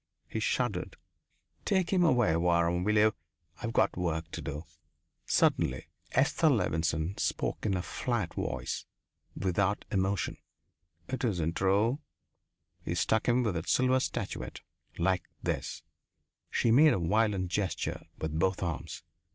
He shuddered. "Take him away, Waram, will you? I've got work to do." Suddenly Esther Levenson spoke in a flat voice, without emotion: "It isn't true! He struck him with that silver statuette. Like this " She made a violent gesture with both arms.